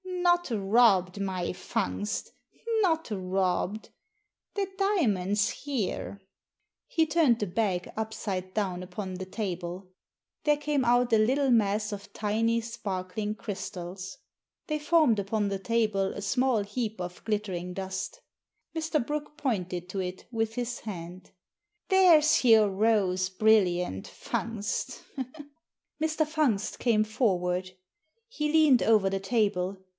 "Not robbed, my Fungst — not robbed. The diamond's here." He turned the bag upside down upon the table. There came Digitized by VjOOQIC THE DIAMONDS 219 out a little mass of tiny sparkling crystals. They formed upon the table a small heap of glittering dust Mr. Brooke pointed to it with his hand. " There's your rose brilliant, Fungst'* Mr. Fungst came forward. He leaned over the table.